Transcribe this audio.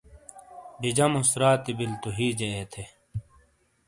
بِیجاموس راتی بِیلی تو ہِیجے اے تھے۔